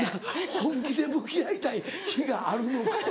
本気で向き合いたい日があるのか。